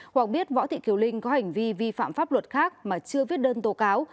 hoặc biết võ thị thiều linh có hành vi vi phạm pháp luật khác mà chưa viết đơn tố cáo